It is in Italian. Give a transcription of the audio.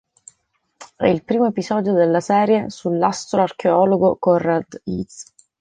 È il primo episodio della serie sull'astroarcheologo Conrad Yeats.